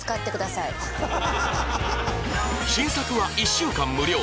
新作は１週間無料！